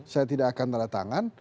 saya tidak akan tanda tangan